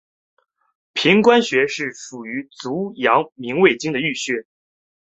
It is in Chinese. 髀关穴是属于足阳明胃经的腧穴。